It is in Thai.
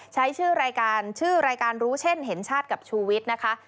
ใช้ชื่อรายการชื่อรายการรู้เช่นเห็นชาติกับชูวิทย์นะคะ